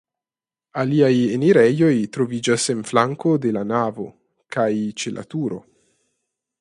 Aliaj enirejoj troviĝas en flanko de la navo kaj ĉe la turo.